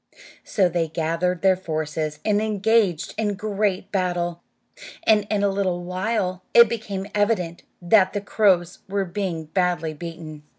So they gathered their forces and engaged in a great battle, and in a little while it became evident that the crows were being badly beaten.